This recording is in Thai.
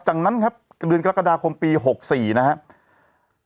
จากนั้นครับเดือนกรกฎาคมปี๖๔นะครับ